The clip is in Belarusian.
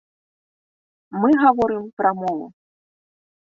Мы гаворым пра мову.